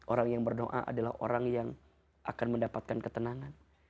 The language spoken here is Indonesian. orang yang berdoa adalah orang yang akan mendapatkan ketenangan